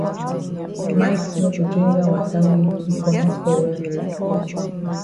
Mike no go drink dat wata wey yi komot for well.